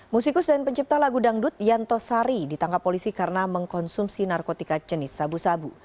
musikus dan pencipta lagu dangdut yanto sari ditangkap polisi karena mengkonsumsi narkotika jenis sabu sabu